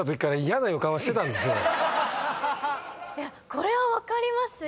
これは分かりますよ。